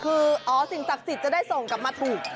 คืออ๋อสิ่งศักดิ์สิทธิ์จะได้ส่งกลับมาถูก